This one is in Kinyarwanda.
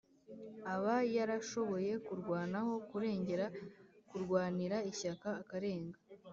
" a ba yarashoboye kurwanaho, kurengera, kurwanira ishyaka, akarenga